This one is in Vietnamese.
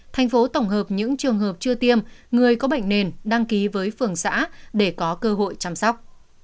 thành phố tổng hợp những trường hợp chưa tiêm người có bệnh nền đăng ký với phường xã để có cơ hội chăm sóc